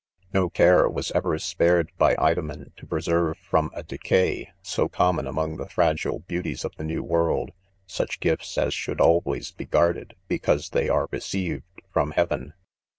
No care was ever spared by Idomen to preserve from a decay, so "common among the fragile beauties of the new world, 1 such gifts as should always be guarded, because they are received from heaven.